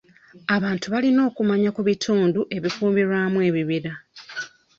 Abantu balina okumanya ku bitundu ebikuumirwamu ebibira.